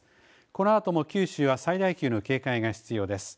このあとも九州は最大級の警戒が必要です。